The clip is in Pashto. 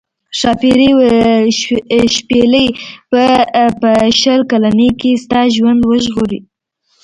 ښاپیرۍ وویل شپیلۍ به په شل کلنۍ کې ستا ژوند وژغوري.